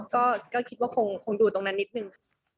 ก็คิดว่าคงดูตรงนั้นนิดนึง